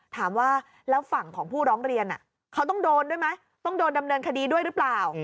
ถามว่าแล้วฝั่งของผู้ร้องเรียนเขาต้องโดนด้วยไหมต้องโดนดำเนินคดีด้วยหรือเปล่า